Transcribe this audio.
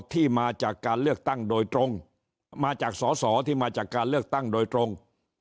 ที่มาจากการเลือกตั้งโดยตรงมาจากสอสอที่มาจากการเลือกตั้งโดยตรง